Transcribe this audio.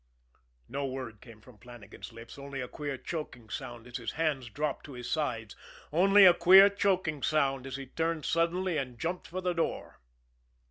No word came from Flannagan's lips only a queer choking sound, as his hands dropped to his sides only a queer choking sound, as he turned suddenly and jumped for the door.